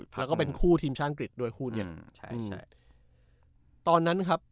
แล้วก็เป็นคู่ทีมชาติอังกฤษด้วยคู่เนี้ยใช่ใช่ตอนนั้นครับ